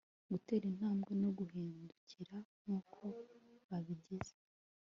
gutera intambwe no guhindukira nkuko babigize